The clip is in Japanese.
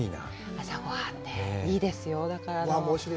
朝ごはんね、いいですよ。